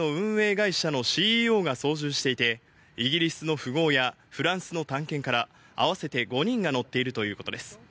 会社のＣＥＯが操縦していて、イギリスの富豪やフランスの探検家ら合わせて５人が乗っているということです。